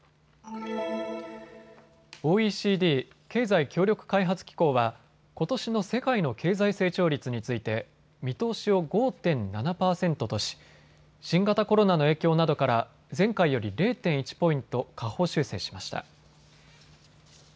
ＯＥＣＤ・経済協力開発機構はことしの世界の経済成長率について見通しを５．７％とし新型コロナの影響などから前回より０．１ポイント下方修正しました。